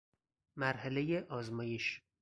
مرحله آزمایش